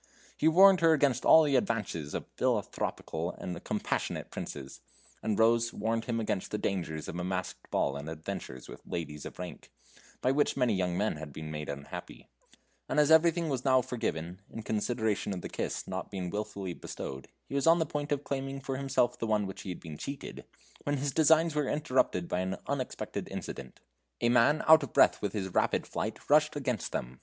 He warned her against all the advances of philanthropical and compassionate princes and Rose warned him against the dangers of a masked ball and adventures with ladies of rank, by which many young men have been made unhappy and as everything was now forgiven, in consideration of the kiss not been wilfully bestowed, he was on the point of claiming for himself the one of which he had been cheated, when his designs were interrupted by an unexpected incident. A man out of breath with his rapid flight rushed against them.